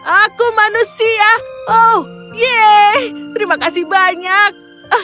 aku manusia oh yeay terima kasih banyak